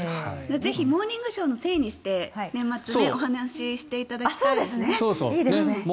ぜひ「モーニングショー」のせいにして年末お話していただきたいですね。